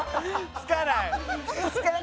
つかない。